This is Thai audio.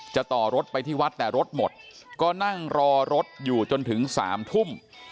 ต่อรถไปที่วัดแต่รถหมดก็นั่งรอรถอยู่จนถึง๓ทุ่ม